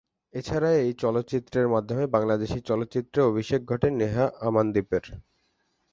এছাড়া, এই চলচ্চিত্রের মাধ্যমে বাংলাদেশি চলচ্চিত্রে অভিষেক ঘটে নেহা আমানদীপের।